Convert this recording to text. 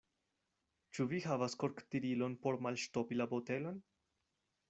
Ĉu vi havas korktirilon, por malŝtopi la botelon?